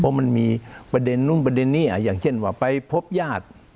เพราะมันมีประเด็นนู่นประเด็นนี้อย่างเช่นว่าไปพบญาติ